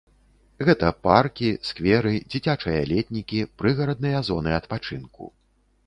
Гэта паркі, скверы, дзіцячыя летнікі, прыгарадныя зоны адпачынку.